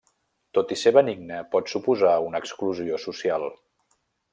Tot i ser benigne, pot suposar una exclusió social.